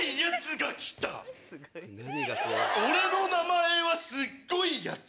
俺の名前はすっごいやつ。